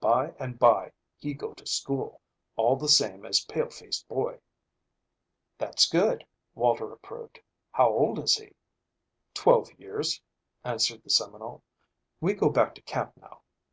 By and bye, he go to school, all the same as pale face boy." "That's good," Walter approved. "How old is he?" "Twelve years," answered the Seminole. "We go back to camp now.